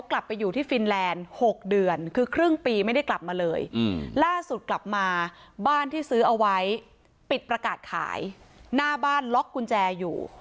ล่าสุดกลับมาบ้านที่ซื้อเอาไว้ปิดประกาศขายหน้าบ้านล็อกกุญแจอยู่